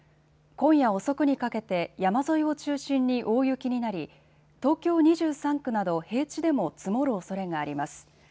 今夜遅くにかけて山沿いを中心に大雪になり東京２３区など平地でも積もるおそれがあります。